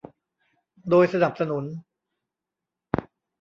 โดยสนับสนุน